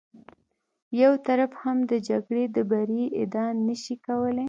یو طرف هم د جګړې د بري ادعا نه شي کولی.